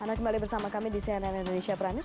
anda kembali bersama kami di cnn indonesia prime news